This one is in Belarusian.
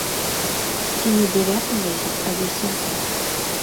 Ці не дзявяты месяц, а дзясяты.